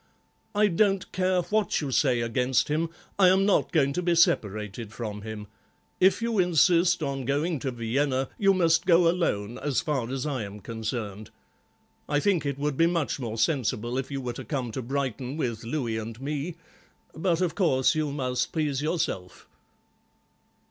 I don't care what you say against him, I am not going to be separated from him. If you insist on going to Vienna you must go alone, as far as I am concerned. I think it would be much more sensible if you were to come to Brighton with Louis and me, but of course you must please yourself."